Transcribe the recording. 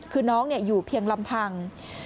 คือน้องอยู่เพียงลำพัง